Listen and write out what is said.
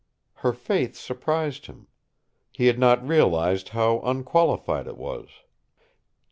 Her faith surprised him. He had not realized how unqualified it was.